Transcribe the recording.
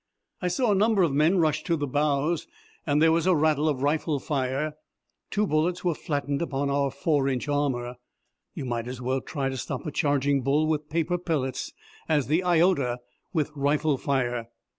I saw a number of men rush to the bows, and there was a rattle of rifle fire. Two bullets were flattened upon our four inch armour. You might as well try to stop a charging bull with paper pellets as the Iota with rifle fire.